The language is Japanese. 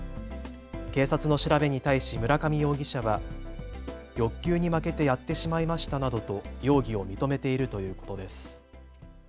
警察の調べに対し村上容疑者は欲求に負けてやってしまいましたなどと容疑を認めているということです。